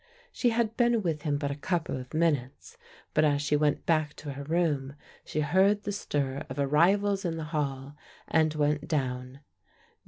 She had been with him but a couple of minutes, but as she went back to her room, she heard the stir of arrivals in the hall, and went down.